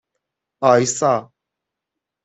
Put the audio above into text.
آیسا